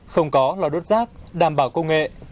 không có lo đốt rác đảm bảo công nghệ